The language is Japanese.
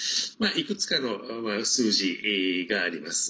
いくつかの数字があります。